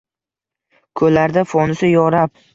Ko‘llarida fonusi… yo rab